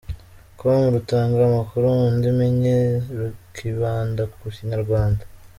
com rutanga amakuru mu ndimi enye rukibanda ku Kinyarwanda,.